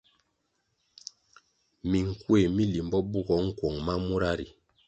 Minkuéh mi limbo bugoh nkuong ma mura ri.